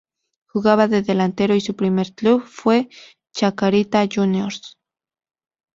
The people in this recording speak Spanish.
Jugaba de delantero y su primer club fue Chacarita Juniors.